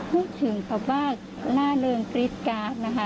พูดถึงแบบว่าล่าเริงกรี๊ดการ์ดนะคะ